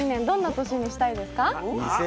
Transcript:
どんな年にしたいですか？